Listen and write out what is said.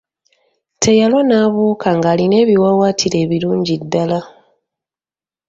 Teyalwa n'abuuka ng'alina ebiwaawaatiro ebirungi ddala.